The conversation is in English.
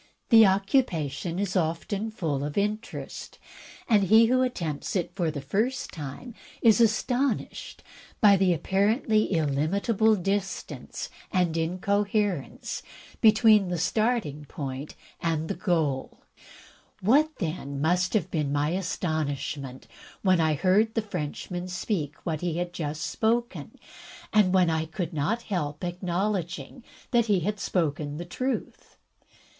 The occupation is I2S THE TECHNIQUE OF THE MYSTERY STORY often ftill of interest; and he who attempts it for the first time is astonished by the apparently illimitable distance and incoherence between the starting point and the goal. What, then, must have been my amazement when I heard the Frenchman speak what he had just spoken, and when I could not help acknowledging that he had spoken the truth.